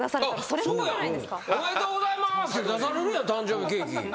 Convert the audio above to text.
おめでとうございます！って出されるやん誕生日ケーキ。